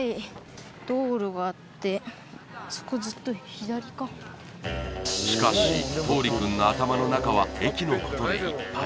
昼間からしかし橙利くんの頭の中は駅のことでいっぱい